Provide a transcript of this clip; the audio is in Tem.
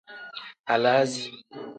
Alaazi.